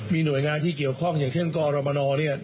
มีหน่วยงานที่เกี่ยวข้องอย่างเช่นกรมนเนี่ย